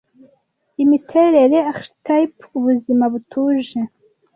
Imiterere, archetype, ubuzima butuje.